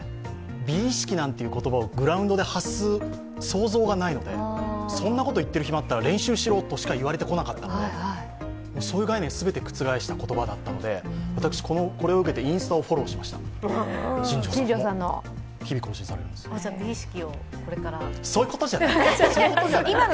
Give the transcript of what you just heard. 美意識なんていう言葉をグラウンドで発する想像がないので、そんなこと言ってる暇あったら練習しろとしか言われてこなかったので、そういう概念全て覆した言葉だったので私、これを受けてインスタをフォローしました、新庄さんの。